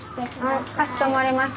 はいかしこまりました。